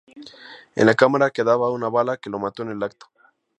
En la cámara quedaba una bala que lo mató en el acto.